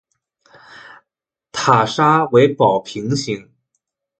塔刹为宝瓶形。